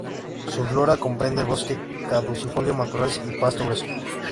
Su flora comprende el bosque caducifolio, matorrales y pasto grueso.